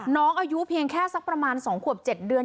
น้องอายุเพียงแค่สักประมาณ๒ขวบ๗เดือน